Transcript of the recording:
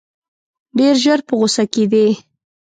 ډېر ژر په غوسه کېدی.